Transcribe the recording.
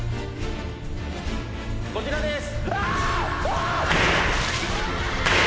こちらです。